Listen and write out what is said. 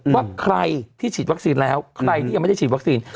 ว่าใครที่ฉีดวัคซีนแล้วใครที่ยังไม่ได้ฉีดวัคซีน